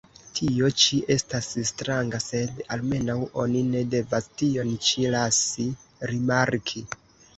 Tio ĉi estas stranga, sed almenaŭ oni ne devas tion ĉi lasi rimarki!